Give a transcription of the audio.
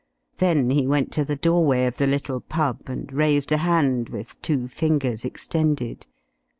Then he went to the doorway of the little pub, and raised a hand, with two fingers extended.